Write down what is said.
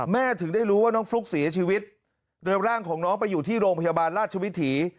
ถึงได้รู้ว่าน้องฟลุ๊กเสียชีวิตโดยร่างของน้องไปอยู่ที่โรงพยาบาลราชวิถี